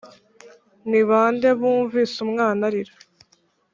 Ni bande bumvise umwana arira